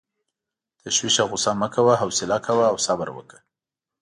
تشویش او غصه مه کوه، حوصله کوه او صبر وکړه.